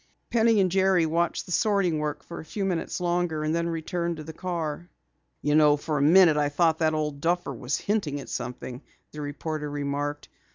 Penny and Jerry watched the sorting work for a few minutes longer and then returned to the car. "You know, for a minute I thought that old duffer was hinting at something," the reporter remarked.